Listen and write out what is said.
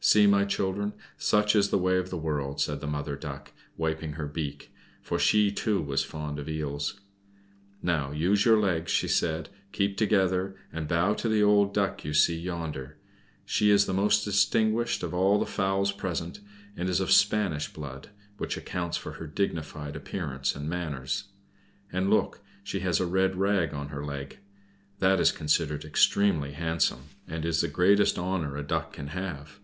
"See, my children, such is the way of the world," said the Mother Duck, wiping her beak, for she, too, was fond of eels. "Now use your legs," said she, "keep together, and bow to the old Duck you see yonder. She is the most distinguished of all the fowls present, and is of Spanish blood, which accounts for her dignified appearance and manners. And look, she has a red rag on her leg! That is considered extremely handsome, and is the greatest honor a Duck can have.